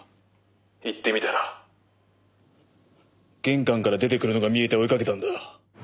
行ってみたら玄関から出てくるのが見えて追いかけたんだ。